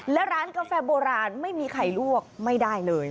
และร้านกาแฟโบราณไม่มีไข่ลวกไม่ได้เลย